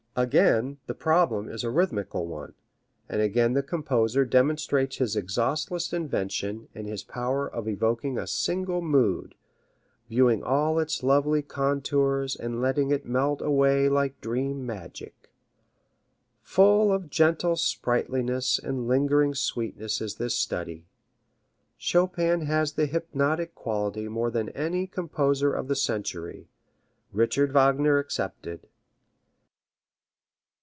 Again the problem is a rhythmical one, and again the composer demonstrates his exhaustless invention and his power of evoking a single mood, viewing all its lovely contours and letting it melt away like dream magic. Full of gentle sprightliness and lingering sweetness is this study. Chopin has the hypnotic quality more than any composer of the century, Richard Wagner excepted.